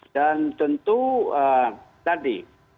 dan tentu tadi